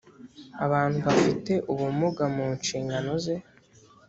abantu bafite ubumuga mu nshingano ze